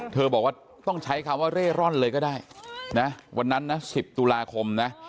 บอกว่าต้องใช้คำว่าเร่ร่อนเลยก็ได้นะวันนั้นนะ๑๐ตุลาคมนะ